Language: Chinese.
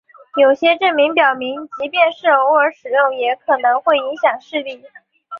有些证据表明即便是偶尔使用也可能会影响视力。